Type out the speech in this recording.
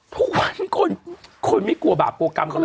ทุกวันคนคนไม่กลัวบาปกลัวกรรมก็แล้ว